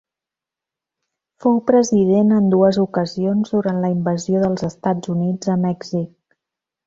Fou president en dues ocasions durant la invasió dels Estats Units a Mèxic.